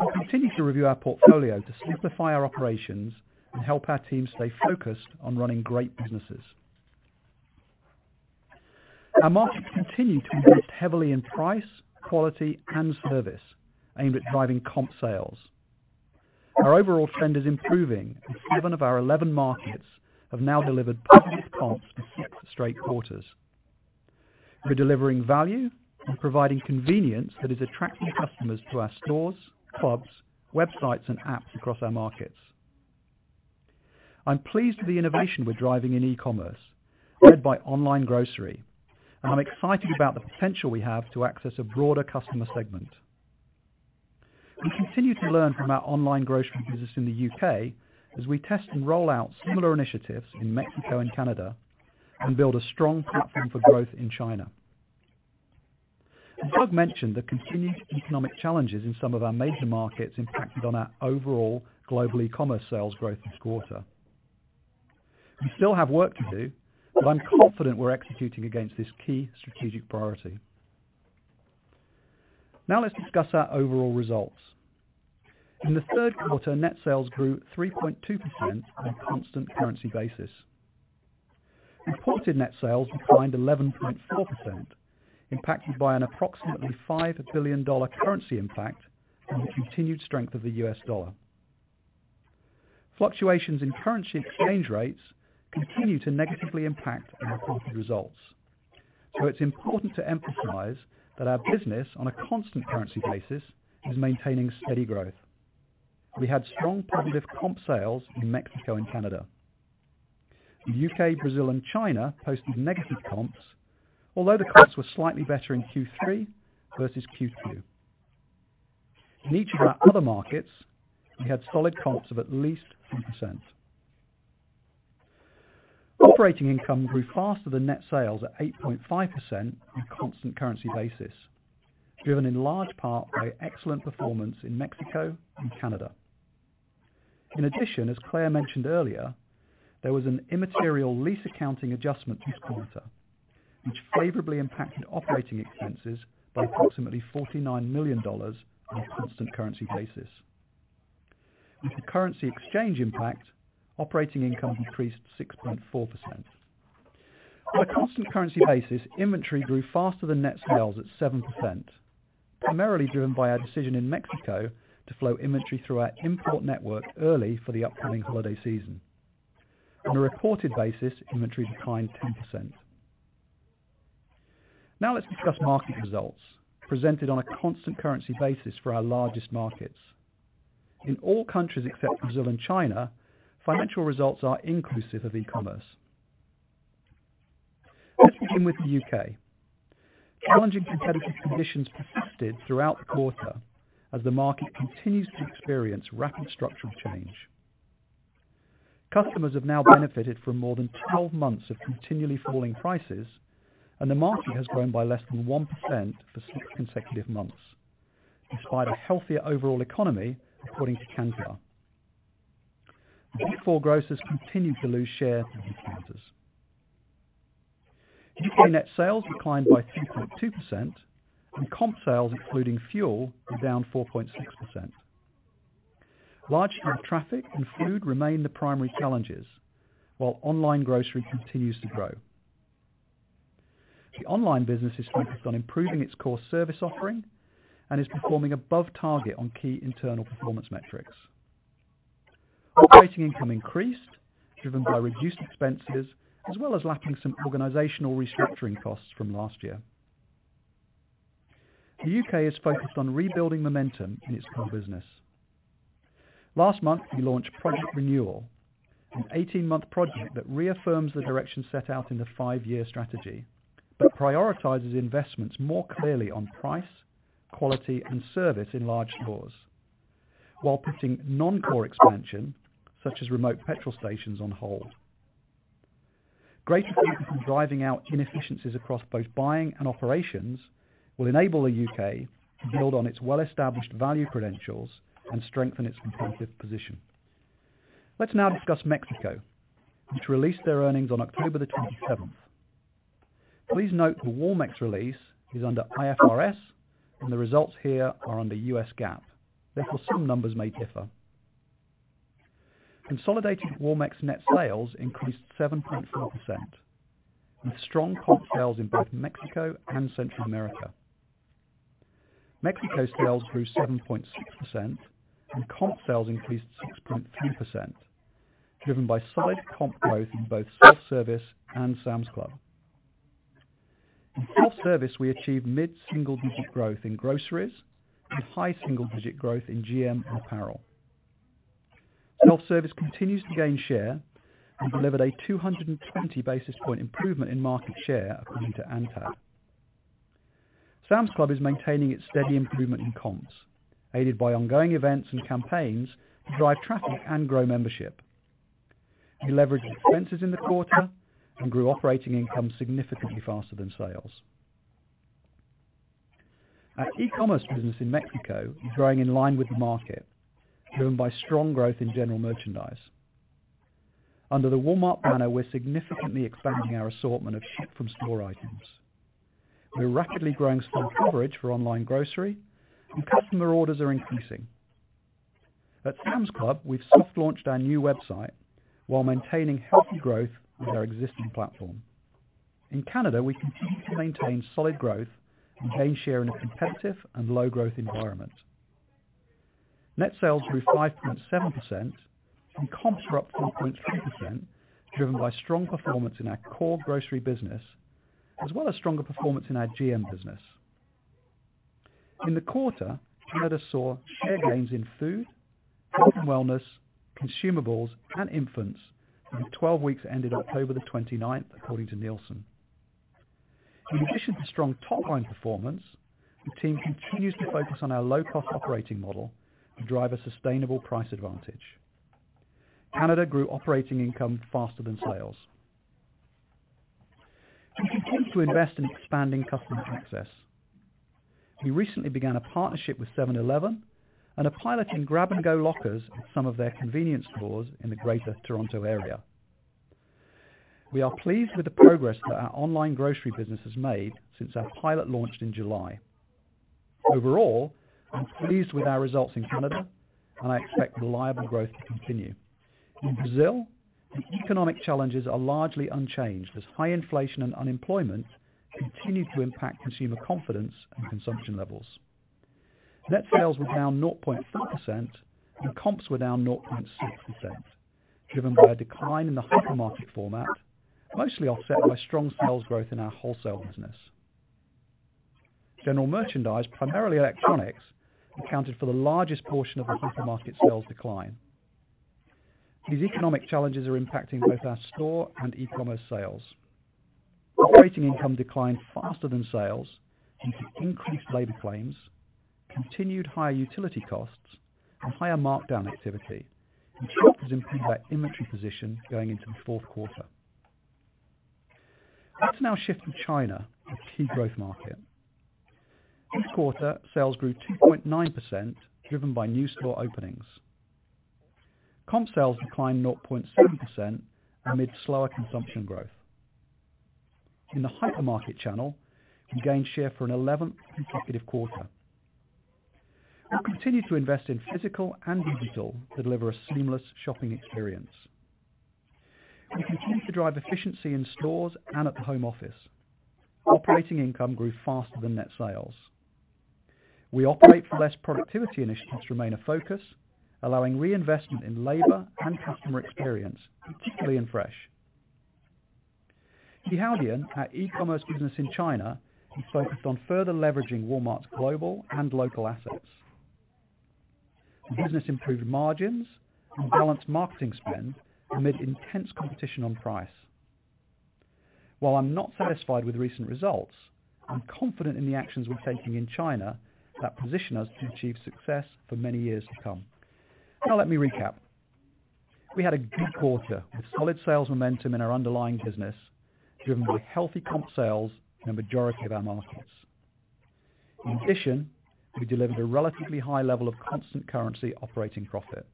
We continue to review our portfolio to simplify our operations and help our team stay focused on running great businesses. Our markets continue to invest heavily in price, quality, and service aimed at driving comp sales. Our overall trend is improving in seven of our 11 markets have now delivered positive comps for six straight quarters. We're delivering value and providing convenience that is attracting customers to our stores, clubs, websites, and apps across our markets. I'm pleased with the innovation we're driving in e-commerce led by online grocery, and I'm excited about the potential we have to access a broader customer segment. We continue to learn from our online grocery business in the U.K. as we test and roll out similar initiatives in Mexico and Canada and build a strong platform for growth in China. As Doug mentioned, the continued economic challenges in some of our major markets impacted on our overall global e-commerce sales growth this quarter. We still have work to do, but I'm confident we're executing against this key strategic priority. Now let's discuss our overall results. In the third quarter, net sales grew 3.2% on a constant currency basis. Reported net sales declined 11.4%, impacted by an approximately $5 billion currency impact and the continued strength of the U.S. dollar. It's important to emphasize that our business, on a constant currency basis, is maintaining steady growth. We had strong positive comp sales in Mexico and Canada. The U.K., Brazil, and China posted negative comps, although the comps were slightly better in Q3 versus Q2. In each of our other markets, we had solid comps of at least 3%. Operating income grew faster than net sales at 8.5% on a constant currency basis, driven in large part by excellent performance in Mexico and Canada. In addition, as Claire mentioned earlier, there was an immaterial lease accounting adjustment this quarter, which favorably impacted operating expenses by approximately $49 million on a constant currency basis. With the currency exchange impact, operating income increased 6.4%. On a constant currency basis, inventory grew faster than net sales at 7%, primarily driven by our decision in Mexico to flow inventory through our import network early for the upcoming holiday season. On a reported basis, inventory declined 10%. Let's discuss market results presented on a constant currency basis for our largest markets. In all countries except Brazil and China, financial results are inclusive of e-commerce. Let's begin with the U.K. Challenging competitive conditions persisted throughout the quarter as the market continues to experience rapid structural change. Customers have now benefited from more than 12 months of continually falling prices, and the market has grown by less than 1% for six consecutive months, despite a healthier overall economy, according to Kantar. The big four grocers continued to lose share in the quarters. U.K. net sales declined by 3.2%, and comp sales, including fuel, were down 4.6%. Large store traffic and food remain the primary challenges, while online grocery continues to grow. The online business is focused on improving its core service offering and is performing above target on key internal performance metrics. Operating income increased, driven by reduced expenses, as well as lapping some organizational restructuring costs from last year. The U.K. is focused on rebuilding momentum in its core business. Last month, we launched Project Renewal, an 18-month project that reaffirms the direction set out in the five-year strategy, but prioritizes investments more clearly on price, quality, and service in large stores while putting non-core expansion, such as remote petrol stations, on hold. Greater focus on driving out inefficiencies across both buying and operations will enable the U.K. to build on its well-established value credentials and strengthen its competitive position. Let's now discuss Mexico, which released their earnings on October 27th. Please note the Walmex release is under IFRS and the results here are under U.S. GAAP, therefore, some numbers may differ. Consolidated Walmex net sales increased 7.4% with strong comp sales in both Mexico and Central America. Mexico sales grew 7.6%, and comp sales increased 6.3%, driven by solid comp growth in both self-service and Sam's Club. In self-service, we achieved mid-single-digit growth in groceries and high single-digit growth in GM and apparel. Self-service continues to gain share and delivered a 220 basis point improvement in market share, according to ANTAD. Sam's Club is maintaining its steady improvement in comps, aided by ongoing events and campaigns to drive traffic and grow membership. We leveraged expenses in the quarter and grew operating income significantly faster than sales. Our e-commerce business in Mexico is growing in line with the market, driven by strong growth in general merchandise. Under the Walmart banner, we're significantly expanding our assortment of ship-from-store items. We're rapidly growing store coverage for online grocery, and customer orders are increasing. At Sam's Club, we've soft launched our new website while maintaining healthy growth with our existing platform. In Canada, we continue to maintain solid growth and gain share in a competitive and low-growth environment. Net sales grew 5.7% and comps were up 4.3%, driven by strong performance in our core grocery business, as well as stronger performance in our GM business. In the quarter, Canada saw share gains in food, health and wellness, consumables, and infants in the 12 weeks that ended October 29th, according to Nielsen. In addition to strong top-line performance, the team continues to focus on our low-cost operating model to drive a sustainable price advantage. Canada grew operating income faster than sales. We continue to invest in expanding customer access. We recently began a partnership with 7-Eleven and are piloting grab-and-go lockers in some of their convenience stores in the Greater Toronto area. We are pleased with the progress that our online grocery business has made since our pilot launched in July. Overall, I'm pleased with our results in Canada, and I expect reliable growth to continue. In Brazil, the economic challenges are largely unchanged as high inflation and unemployment continue to impact consumer confidence and consumption levels. Net sales were down 0.4% and comps were down 0.6%, driven by a decline in the hypermarket format, mostly offset by strong sales growth in our wholesale business. General merchandise, primarily electronics, accounted for the largest portion of the hypermarket sales decline. These economic challenges are impacting both our store and e-commerce sales. Operating income declined faster than sales due to increased labor claims, continued higher utility costs, and higher markdown activity, and shoppers improved our inventory position going into the fourth quarter. Let's now shift to China, a key growth market. This quarter, sales grew 2.9%, driven by new store openings. Comp sales declined 0.7% amid slower consumption growth. In the hypermarket channel, we gained share for an 11th consecutive quarter. We continue to invest in physical and digital to deliver a seamless shopping experience. We continue to drive efficiency in stores and at the home office. Operating income grew faster than net sales. We operate for less productivity initiatives remain a focus, allowing reinvestment in labor and customer experience, particularly in fresh. Yihaodian, our e-commerce business in China, is focused on further leveraging Walmart's global and local assets. The business improved margins and balanced marketing spend amid intense competition on price. While I'm not satisfied with recent results, I'm confident in the actions we're taking in China that position us to achieve success for many years to come. Let me recap. We had a good quarter with solid sales momentum in our underlying business, driven by healthy comp sales in a majority of our markets. In addition, we delivered a relatively high level of constant currency operating profit.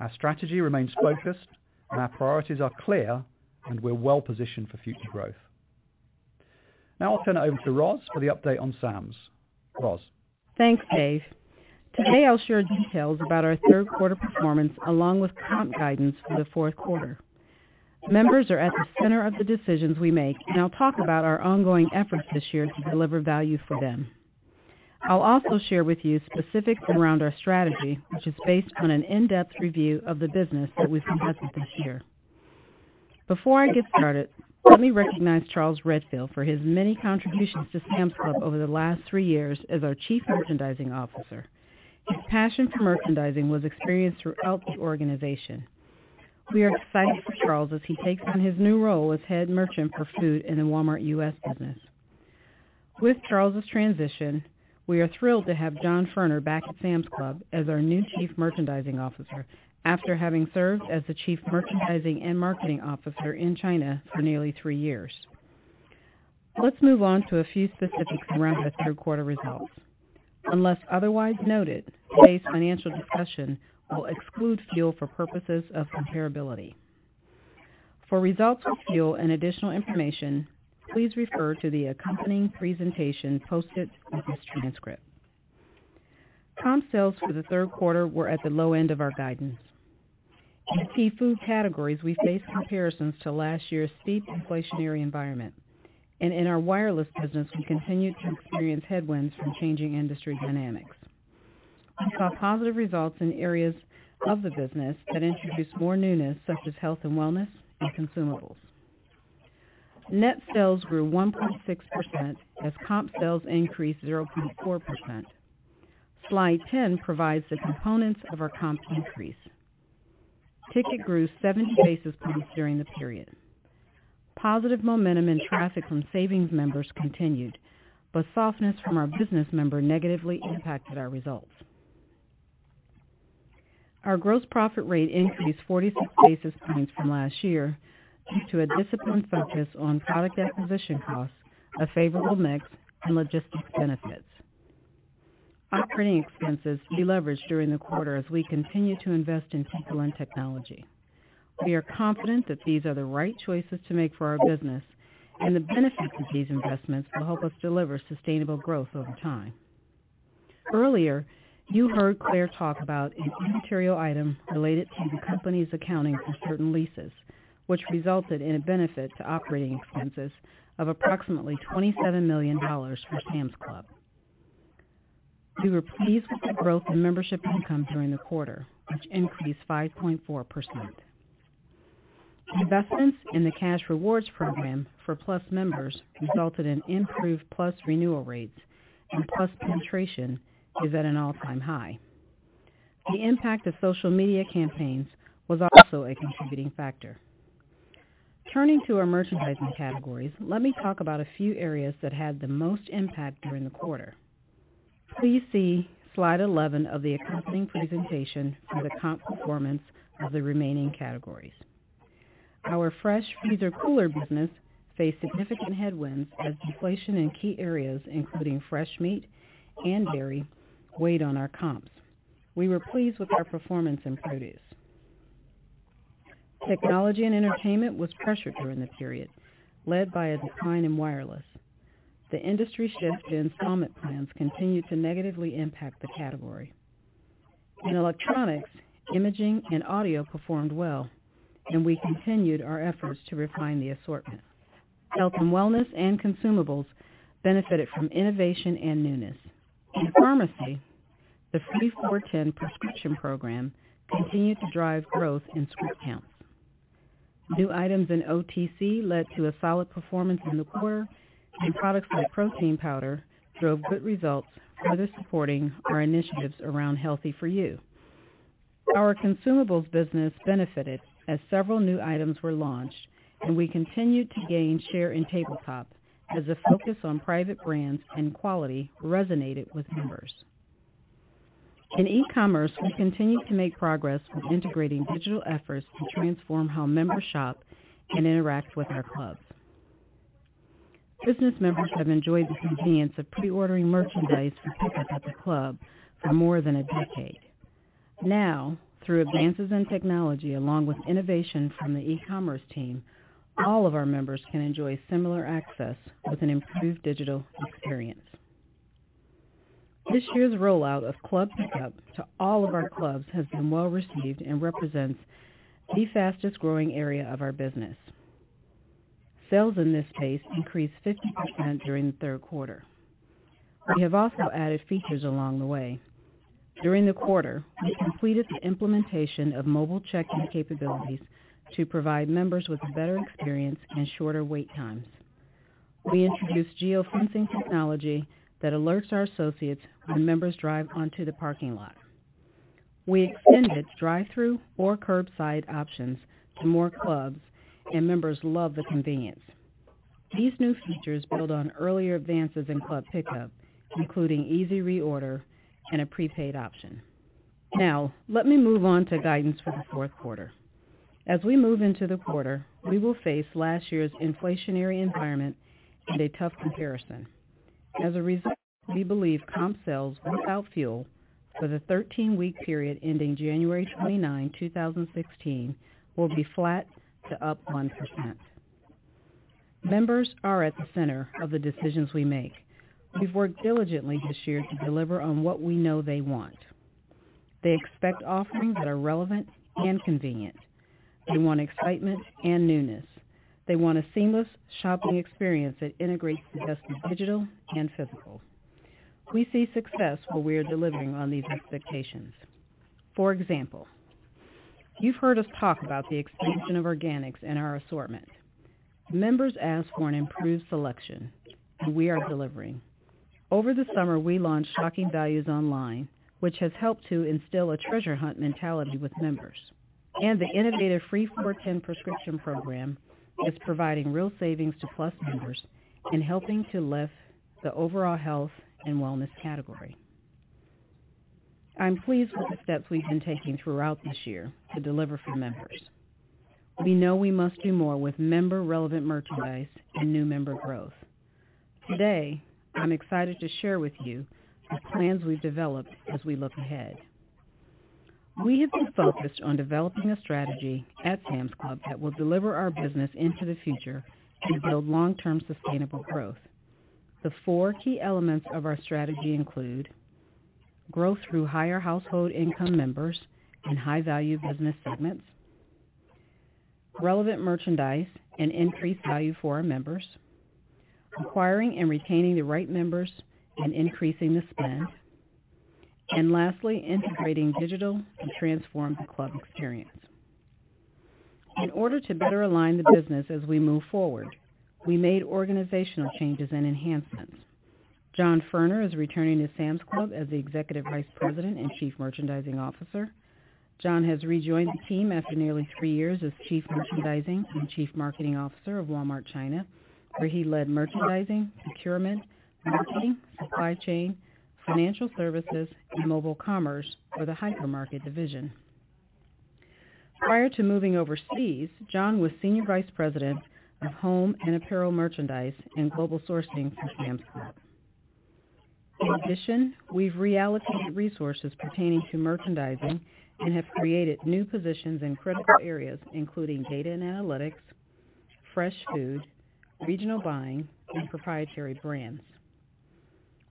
Our strategy remains focused and our priorities are clear, we're well positioned for future growth. I'll turn it over to Roz for the update on Sam's. Roz? Thanks, Dave. Today, I'll share details about our third quarter performance along with comp guidance for the fourth quarter. Members are at the center of the decisions we make, and I'll talk about our ongoing efforts this year to deliver value for them. I'll also share with you specifics around our strategy, which is based on an in-depth review of the business that we've been conducting this year. Before I get started, let me recognize Charles Redfield for his many contributions to Sam's Club over the last three years as our Chief Merchandising Officer. His passion for merchandising was experienced throughout the organization. We are excited for Charles as he takes on his new role as Head Merchant for Food in the Walmart U.S. business. With Charles' transition, we are thrilled to have John Furner back at Sam's Club as our new Chief Merchandising Officer after having served as the Chief Merchandising and Marketing Officer in China for nearly three years. Let's move on to a few specifics around our third quarter results. Unless otherwise noted, today's financial discussion will exclude fuel for purposes of comparability. For results with fuel and additional information, please refer to the accompanying presentation posted with this transcript. Comp sales for the third quarter were at the low end of our guidance. In key food categories, we faced comparisons to last year's steep inflationary environment. In our wireless business, we continued to experience headwinds from changing industry dynamics. We saw positive results in areas of the business that introduced more newness, such as Health and Wellness and consumables. Net sales grew 1.6% as comp sales increased 0.4%. Slide 10 provides the components of our comp increase. Ticket grew 70 basis points during the period. Positive momentum in traffic from savings members continued, but softness from our business member negatively impacted our results. Our gross profit rate increased 46 basis points from last year due to a disciplined focus on product acquisition costs, a favorable mix, and logistics benefits. Operating expenses deleveraged during the quarter as we continue to invest in people and technology. We are confident that these are the right choices to make for our business, and the benefits of these investments will help us deliver sustainable growth over time. Earlier, you heard Claire talk about a material item related to the company's accounting for certain leases, which resulted in a benefit to operating expenses of approximately $27 million for Sam's Club. We were pleased with the growth in membership income during the quarter, which increased 5.4%. Investments in the cash rewards program for Plus members resulted in improved Plus renewal rates, and Plus penetration is at an all-time high. The impact of social media campaigns was also a contributing factor. Turning to our merchandising categories, let me talk about a few areas that had the most impact during the quarter. Please see Slide 11 of the accompanying presentation for the comp performance of the remaining categories. Our Fresh, Freezer, Cooler Business faced significant headwinds as deflation in key areas, including fresh meat and dairy, weighed on our comps. We were pleased with our performance in produce. Technology and Entertainment was pressured during the period, led by a decline in wireless. The industry shift in installment plans continued to negatively impact the category. In electronics, imaging and audio performed well, and we continued our efforts to refine the assortment. Health and Wellness and consumables benefited from innovation and newness. In pharmacy, the Free/4/10 Prescription Program continued to drive growth in script counts. New items in OTC led to a solid performance in the quarter, and products like protein powder drove good results, further supporting our initiatives around Healthy For You. Our consumables business benefited as several new items were launched, and we continued to gain share in tabletop as a focus on private brands and quality resonated with members. In e-commerce, we continued to make progress with integrating digital efforts to transform how members shop and interact with our clubs. Business members have enjoyed the convenience of pre-ordering merchandise for pickup at the club for more than a decade. Through advances in technology along with innovation from the e-commerce team, all of our members can enjoy similar access with an improved digital experience. This year's rollout of club pickup to all of our clubs has been well received and represents the fastest growing area of our business. Sales in this space increased 50% during the third quarter. We have also added features along the way. During the quarter, we completed the implementation of mobile check-in capabilities to provide members with a better experience and shorter wait times. We introduced geofencing technology that alerts our associates when members drive onto the parking lot. We extended drive-thru or curbside options to more clubs, and members love the convenience. These new features build on earlier advances in club pickup, including easy reorder and a prepaid option. Let me move on to guidance for the fourth quarter. As we move into the quarter, we will face last year's inflationary environment and a tough comparison. As a result, we believe comp sales without fuel for the 13-week period ending January 29, 2016, will be flat to up 1%. Members are at the center of the decisions we make. We've worked diligently this year to deliver on what we know they want. They expect offerings that are relevant and convenient. They want excitement and newness. They want a seamless shopping experience that integrates the best of digital and physical. We see success when we are delivering on these expectations. For example, you've heard us talk about the expansion of organics in our assortment. Members ask for an improved selection, we are delivering. Over the summer, we launched Shocking Values online, which has helped to instill a treasure hunt mentality with members. The innovative Free/4/10 Prescription Program is providing real savings to Plus members and helping to lift the overall health and wellness category. I'm pleased with the steps we've been taking throughout this year to deliver for members. We know we must do more with member-relevant merchandise and new member growth. Today, I'm excited to share with you the plans we've developed as we look ahead. We have been focused on developing a strategy at Sam's Club that will deliver our business into the future and build long-term sustainable growth. The four key elements of our strategy include growth through higher household income members and high-value business segments, relevant merchandise, and increased value for our members, acquiring and retaining the right members and increasing the spend, and lastly, integrating digital to transform the club experience. In order to better align the business as we move forward, we made organizational changes and enhancements. John Furner is returning to Sam's Club as the Executive Vice President and Chief Merchandising Officer. John has rejoined the team after nearly three years as Chief Merchandising and Chief Marketing Officer of Walmart China, where he led merchandising, procurement, marketing, supply chain, financial services, and mobile commerce for the hypermarket division. Prior to moving overseas, John was senior vice president of home and apparel merchandise and global sourcing for Sam's Club. In addition, we've reallocated resources pertaining to merchandising and have created new positions in critical areas, including data and analytics, fresh food, regional buying, and proprietary brands.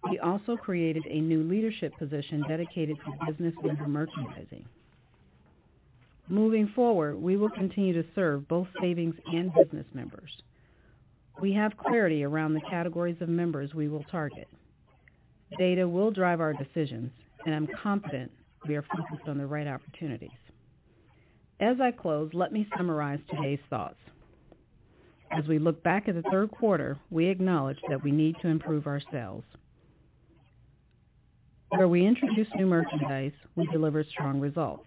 We also created a new leadership position dedicated to business member merchandising. Moving forward, we will continue to serve both savings and business members. We have clarity around the categories of members we will target. Data will drive our decisions, I'm confident we are focused on the right opportunities. As I close, let me summarize today's thoughts. As we look back at the 3rd quarter, we acknowledge that we need to improve our sales. Where we introduced new merchandise, we delivered strong results.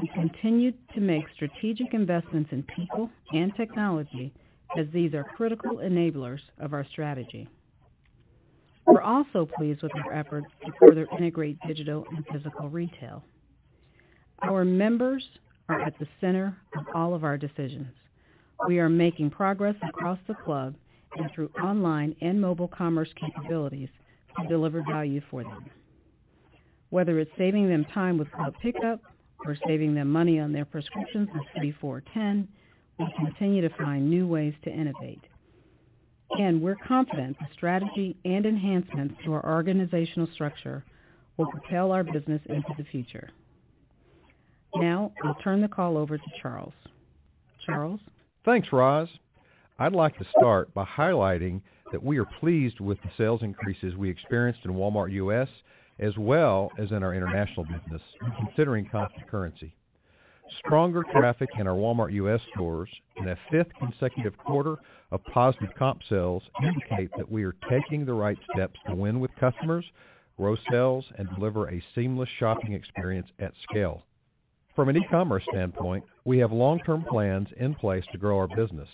We continued to make strategic investments in people and technology as these are critical enablers of our strategy. We're also pleased with our efforts to further integrate digital and physical retail. Our members are at the center of all of our decisions. We are making progress across the club and through online and mobile commerce capabilities to deliver value for them. Whether it's saving them time with club pickup or saving them money on their prescriptions with Free/4/10, we continue to find new ways to innovate. We're confident the strategy and enhancements to our organizational structure will propel our business into the future. Now, I'll turn the call over to Charles. Charles? Thanks, Roz. I'd like to start by highlighting that we are pleased with the sales increases we experienced in Walmart U.S. as well as in our international business when considering constant currency. Stronger traffic in our Walmart U.S. stores and a 5th consecutive quarter of positive comp sales indicate that we are taking the right steps to win with customers, grow sales, and deliver a seamless shopping experience at scale. From an e-commerce standpoint, we have long-term plans in place to grow our business.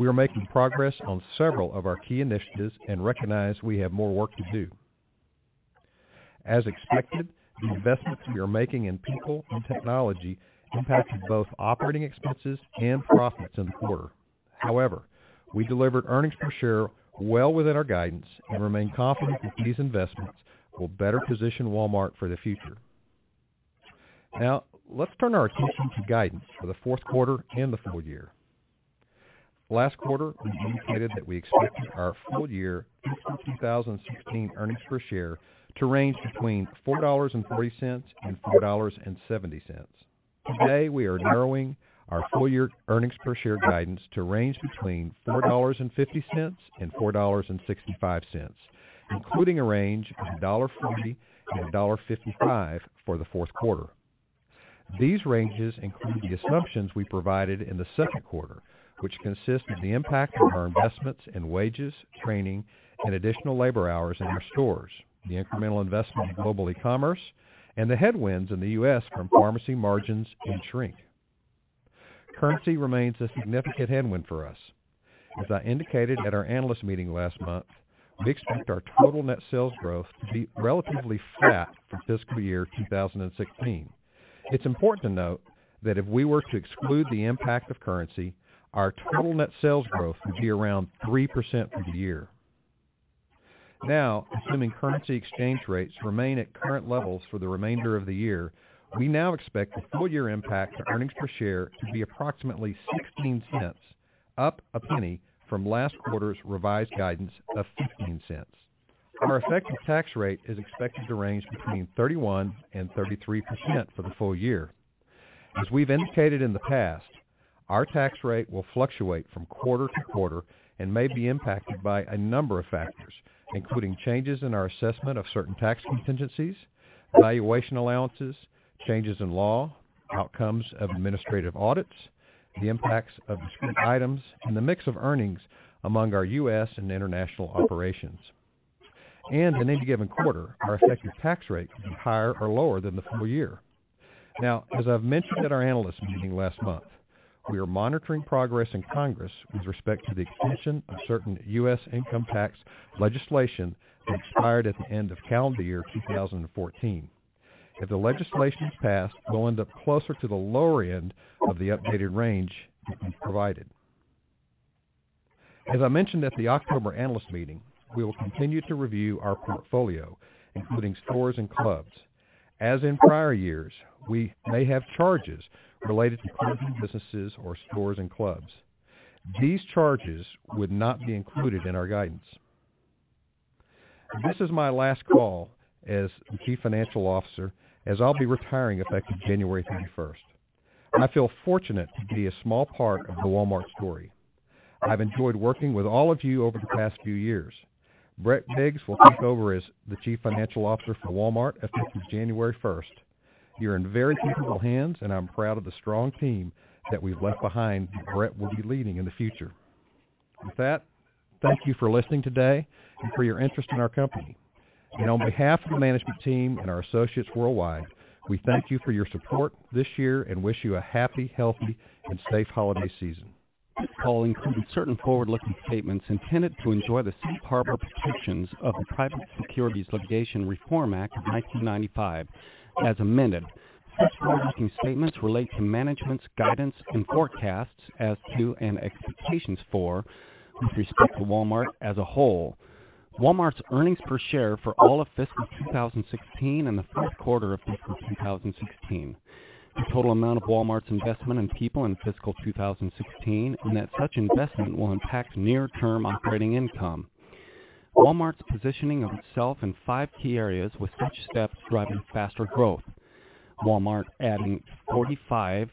We are making progress on several of our key initiatives and recognize we have more work to do. As expected, the investments we are making in people and technology impacted both operating expenses and profits in the quarter. However, we delivered earnings per share well within our guidance and remain confident that these investments will better position Walmart for the future. Now, let's turn our attention to guidance for the 4th quarter and the full year. Last quarter, we indicated that we expected our full-year fiscal 2016 earnings per share to range between $4.40-$4.70. Today, we are narrowing our full-year earnings per share guidance to range between $4.50-$4.65, including a range of $1.40-$1.55 for the 4th quarter. These ranges include the assumptions we provided in the 2nd quarter, which consist of the impact of our investments in wages, training, and additional labor hours in our stores, the incremental investment in global e-commerce, and the headwinds in the U.S. from pharmacy margins and shrink. Currency remains a significant headwind for us. As I indicated at our analyst meeting last month, we expect our total net sales growth to be relatively flat for fiscal year 2016. It's important to note that if we were to exclude the impact of currency, our total net sales growth would be around 3% for the year. Assuming currency exchange rates remain at current levels for the remainder of the year, we now expect the full-year impact to earnings per share to be approximately $0.16, up $0.01 from last quarter's revised guidance of $0.15. Our effective tax rate is expected to range between 31%-33% for the full year. As we've indicated in the past, our tax rate will fluctuate from quarter to quarter and may be impacted by a number of factors, including changes in our assessment of certain tax contingencies, valuation allowances, changes in law, outcomes of administrative audits, the impacts of discrete items, and the mix of earnings among our U.S. and international operations. In any given quarter, our effective tax rate can be higher or lower than the full year. As I've mentioned at our analyst meeting last month, we are monitoring progress in Congress with respect to the extension of certain U.S. income tax legislation that expired at the end of calendar year 2014. If the legislation is passed, we'll end up closer to the lower end of the updated range that we've provided. As I mentioned at the October analyst meeting, we will continue to review our portfolio, including stores and clubs. As in prior years, we may have charges related to acquiring new businesses or stores and clubs. These charges would not be included in our guidance. This is my last call as Chief Financial Officer, as I'll be retiring effective January 31st. I feel fortunate to be a small part of the Walmart story. I've enjoyed working with all of you over the past few years. Brett Biggs will take over as the Chief Financial Officer for Walmart effective January 1st. You're in very capable hands, and I'm proud of the strong team that we've left behind that Brett will be leading in the future. With that, thank you for listening today and for your interest in our company. On behalf of the management team and our associates worldwide, we thank you for your support this year and wish you a happy, healthy, and safe holiday season. This call includes certain forward-looking statements intended to enjoy the safe harbor protections of the Private Securities Litigation Reform Act of 1995, as amended. Such forward-looking statements relate to management's guidance and forecasts as to, and expectations for, with respect to Walmart as a whole. Walmart's earnings per share for all of fiscal 2016 and the [fourth] quarter of fiscal 2016. The total amount of Walmart's investment in people in fiscal 2016, and that such investment will impact near-term operating income. Walmart's positioning of itself in five key areas with such steps driving faster growth. Walmart adding $45 billion-$60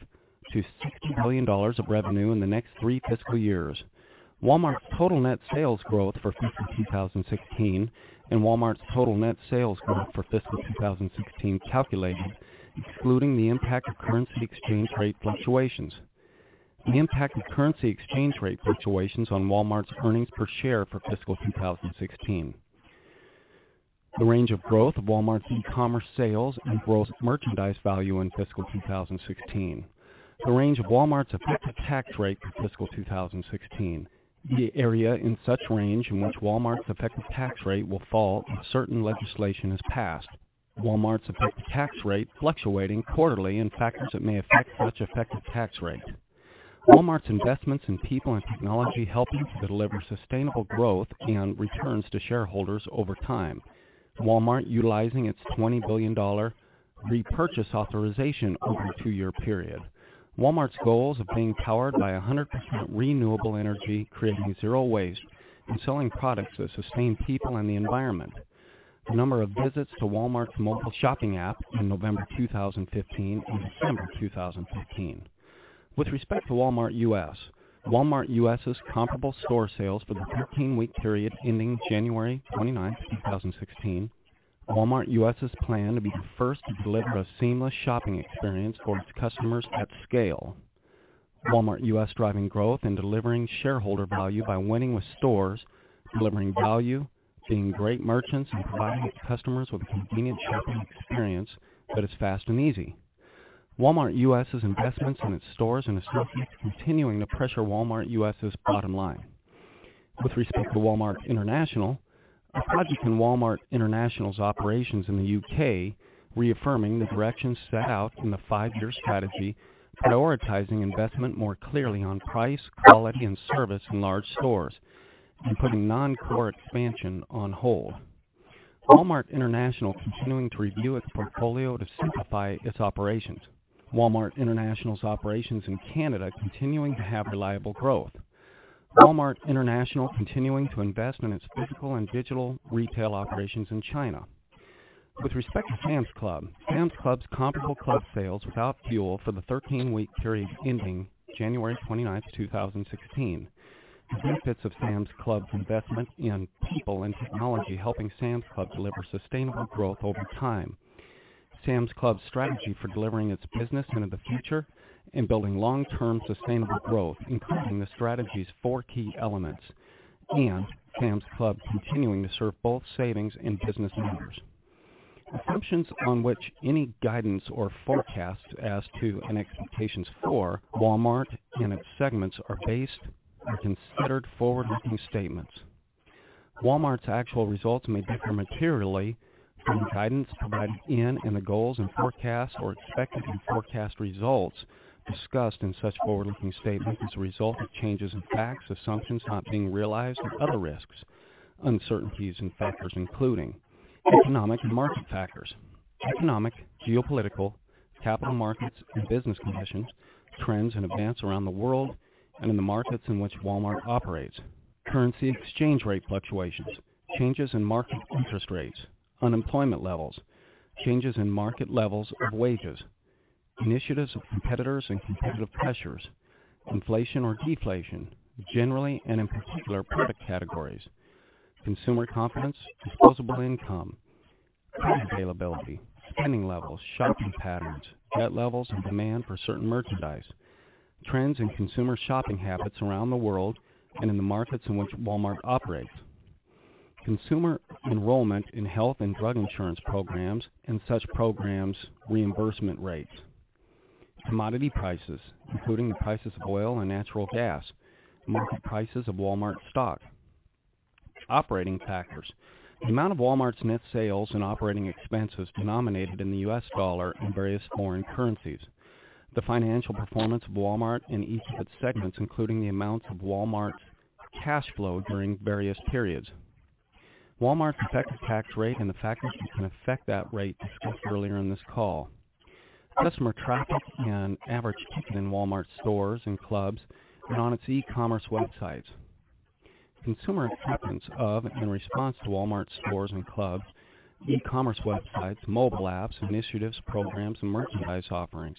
billion of revenue in the next three fiscal years. Walmart's total net sales growth for fiscal 2016 and Walmart's total net sales growth for fiscal 2016 calculated, excluding the impact of currency exchange rate fluctuations. The impact of currency exchange rate fluctuations on Walmart's earnings per share for fiscal 2016. The range of growth of Walmart's e-commerce sales and gross merchandise value in fiscal 2016. The range of Walmart's effective tax rate for fiscal 2016. The area in such range in which Walmart's effective tax rate will fall if certain legislation is passed. Walmart's effective tax rate fluctuating quarterly and factors that may affect such effective tax rate. Walmart's investments in people and technology helping to deliver sustainable growth and returns to shareholders over time. Walmart utilizing its $20 billion repurchase authorization over a two-year period. Walmart's goals of being powered by 100% renewable energy, creating zero waste, and selling products that sustain people and the environment. The number of visits to Walmart's mobile shopping app in November 2015 and December 2015. With respect to Walmart U.S., Walmart U.S.' comparable store sales for the 13-week period ending January 29, 2016. Walmart U.S.' plan to be the first to deliver a seamless shopping experience for its customers at scale. Walmart U.S. driving growth and delivering shareholder value by winning with stores, delivering value, being great merchants, and providing its customers with a convenient shopping experience that is fast and easy. Walmart U.S.' investments in its stores and associates continuing to pressure Walmart U.S.' bottom line. With respect to Walmart International, a project in Walmart International's operations in the U.K. reaffirming the direction set out in the five-year strategy, prioritizing investment more clearly on price, quality, and service in large stores, and putting non-core expansion on hold. Walmart International continuing to review its portfolio to simplify its operations. Walmart International's operations in Canada continuing to have reliable growth. Walmart International continuing to invest in its physical and digital retail operations in China. With respect to Sam's Club, Sam's Club's comparable club sales without fuel for the 13-week period ending January 29, 2016. The benefits of Sam's Club's investment in people and technology helping Sam's Club deliver sustainable growth over time. Sam's Club's strategy for delivering its business into the future and building long-term sustainable growth, including the strategy's four key elements. Sam's Club continuing to serve both savings and business members. Assumptions on which any guidance or forecasts as to, and expectations for, Walmart and its segments are based are considered forward-looking statements. Walmart's actual results may differ materially from the guidance provided in and the goals and forecasts or expected and forecast results discussed in such forward-looking statements as a result of changes in facts, assumptions not being realized, or other risks, uncertainties, and factors, including economic and market factors, economic, geopolitical, capital markets, and business conditions, trends and events around the world and in the markets in which Walmart operates. Currency exchange rate fluctuations, changes in market interest rates, unemployment levels, changes in market levels of wages, initiatives of competitors and competitive pressures, inflation or deflation, generally and in particular product categories, consumer confidence, disposable income, credit availability, spending levels, shopping patterns, net levels of demand for certain merchandise, trends in consumer shopping habits around the world and in the markets in which Walmart operates. Consumer enrollment in health and drug insurance programs and such programs' reimbursement rates. Commodity prices, including the prices of oil and natural gas. Market prices of Walmart stock. Operating factors. The amount of Walmart's net sales and operating expenses denominated in the U.S. dollar and various foreign currencies. The financial performance of Walmart and each of its segments, including the amount of Walmart cash flow during various periods. Walmart's effective tax rate and the factors that can affect that rate discussed earlier in this call. Customer traffic and average ticket in Walmart stores and clubs and on its e-commerce websites. Consumer acceptance of and response to Walmart stores and clubs, e-commerce websites, mobile apps, initiatives, programs, and merchandise offerings.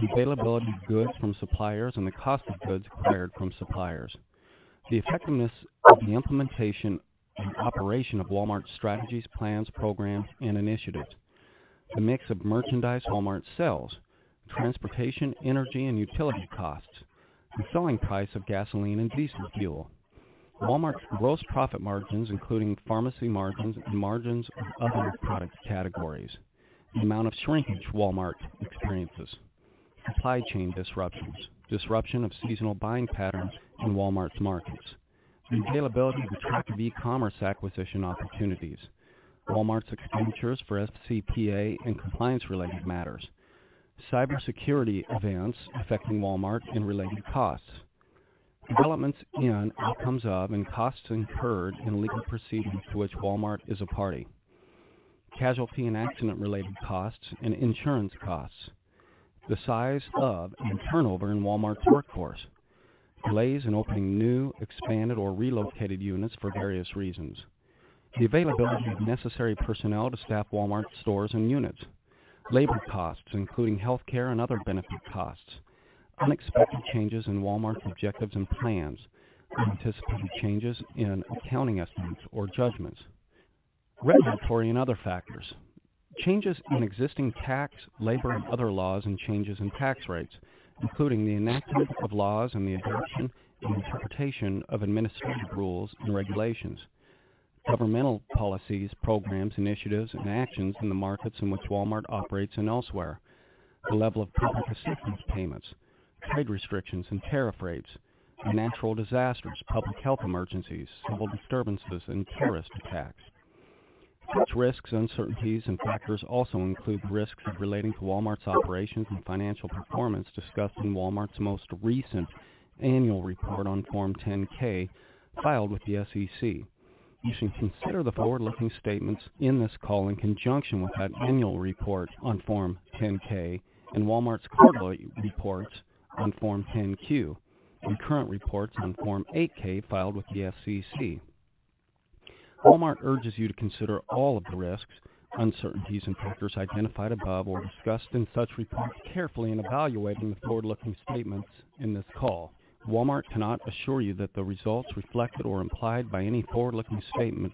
The availability of goods from suppliers and the cost of goods acquired from suppliers. The effectiveness of the implementation and operation of Walmart's strategies, plans, programs, and initiatives. The mix of merchandise Walmart sells. Transportation, energy, and utility costs. The selling price of gasoline and diesel fuel Walmart's gross profit margins, including pharmacy margins and margins of other product categories. The amount of shrinkage Walmart experiences. Supply chain disruptions. Disruption of seasonal buying patterns in Walmart's markets. The availability of attractive e-commerce acquisition opportunities. Walmart's expenditures for FCPA and compliance-related matters. Cybersecurity events affecting Walmart and related costs. Developments in, outcomes of, and costs incurred in legal proceedings to which Walmart is a party. Casualty and accident-related costs and insurance costs. The size of and turnover in Walmart's workforce. Delays in opening new, expanded, or relocated units for various reasons. The availability of necessary personnel to staff Walmart stores and units. Labor costs, including healthcare and other benefit costs. Unexpected changes in Walmart's objectives and plans. Anticipated changes in accounting estimates or judgments. Regulatory and other factors. Changes in existing tax, labor, and other laws and changes in tax rates, including the enactment of laws and the adoption and interpretation of administrative rules and regulations. Governmental policies, programs, initiatives, and actions in the markets in which Walmart operates and elsewhere. The level of public assistance payments. Trade restrictions and tariff rates. Natural disasters, public health emergencies, civil disturbances, and terrorist attacks. Such risks, uncertainties, and factors also include risks relating to Walmart's operations and financial performance discussed in Walmart's most recent annual report on Form 10-K filed with the SEC. You should consider the forward-looking statements in this call in conjunction with that annual report on Form 10-K and Walmart's quarterly reports on Form 10-Q and current reports on Form 8-K filed with the SEC. Walmart urges you to consider all of the risks, uncertainties, and factors identified above or discussed in such reports carefully in evaluating the forward-looking statements in this call. Walmart cannot assure you that the results reflected or implied by any forward-looking statement